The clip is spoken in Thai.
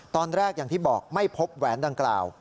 ตอนแรกอย่างที่บอกไม่พบแหวนดังกล่าว